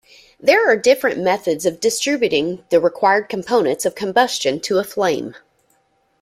There are different methods of distributing the required components of combustion to a flame.